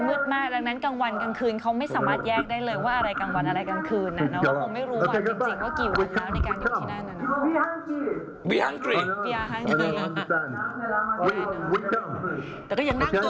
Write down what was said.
โชคดีมากคิดว่าจะรู้สึกแก่งแล้วโชคดีมากคิดว่าจะรู้สึกแก่งแล้ว